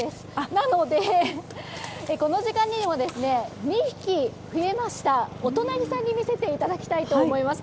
なので、この時間にも２匹増えました、お隣さんに見せていただきたいと思います。